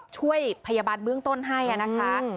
ช่วยพยาบาลเบื้องต้นให้นะคะ